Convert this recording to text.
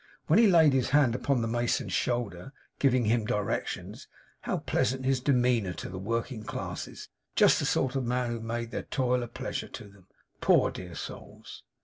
When he laid his hand upon the mason's shoulder, giving him directions, how pleasant his demeanour to the working classes; just the sort of man who made their toil a pleasure to them, poor dear souls!